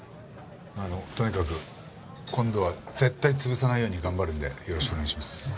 あのとにかく今度は絶対潰さないように頑張るのでよろしくお願いします。